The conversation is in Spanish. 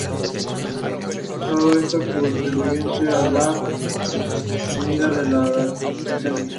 Todo esto contribuye a dar unidad a al escena.